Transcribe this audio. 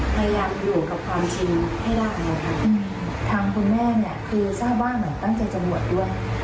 พยายามอยู่กับความจริงให้ได้นะคะทางคุณแม่เนี่ยคือทราบว่าเหมือนตั้งใจจะบวชด้วย